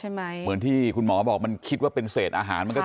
ถ้าโน้นแมลงสำหรับกัลนะอาจจะเป็นแจ้มเล็ก